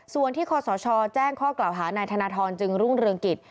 ส่วนที่คศแจ้งข้อกล่าวหานายธนทรจึงรุ่งเรืองกิจ